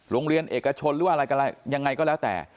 โรงเรียนเอกชนหรือว่าอะไรยังไงก็แล้วแต่